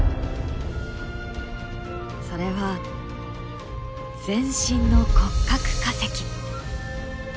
それは全身の骨格化石。